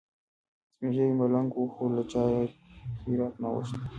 سپین ږیری ملنګ و خو له چا یې خیرات نه غوښت.